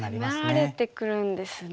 迫られてくるんですね。